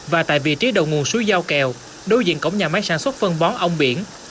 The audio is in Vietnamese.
và tại vị trí đầu nguồn suối giao kèo đối diện cổng nhà máy sản xuất phân bón ông biển